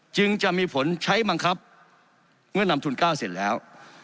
จึงจะมีผลใช้บังคับเมื่อนำทุน๙เสร็จแล้ว